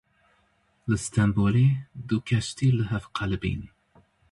Li Stenbolê du keştî li hev qelibîn.